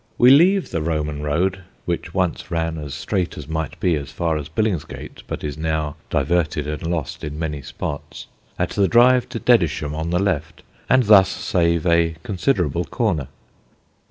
We leave the Roman road (which once ran as straight as might be as far as Billingsgate, but is now diverted and lost in many spots) at the drive to Dedisham, on the left, and thus save a considerable corner.